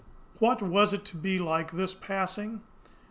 What was it to be like this passing?